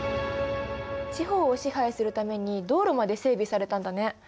地方を支配するために道路まで整備されたんだね。ね。